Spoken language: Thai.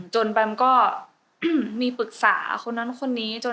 จนแปมมีปรึกษาคนนั้นคนนี้